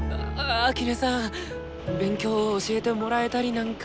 秋音さん勉強教えてもらえたりなんか。